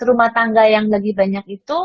rumah tangga yang lagi banyak itu